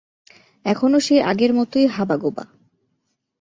এখনো সেই আগের মতোই হাবাগোবা।